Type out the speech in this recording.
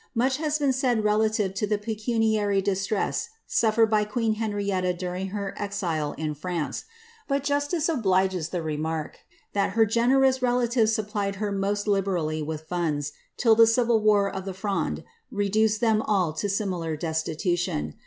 Much has been said relative to the pecuniary distress suffered by queen Henrietta during her exile in France; but jus tice obliges the remark, that her generous relatives supplied her most liberally with funds, till the civil war of the Fronde reduced them all to similar destitution.